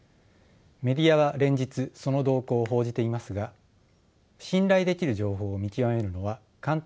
メディアは連日その動向を報じていますが信頼できる情報を見極めるのは簡単なことではありません。